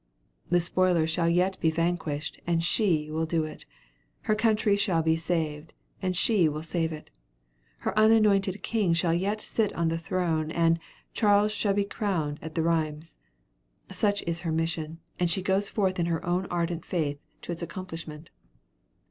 The spoiler shall yet be vanquished, and she will do it; her country shall be saved, and she will save it; her unanointed king shall yet sit on the throne, and "Charles shall be crowned at Rheims." Such is her mission, and she goes forth in her own ardent faith to its accomplishment.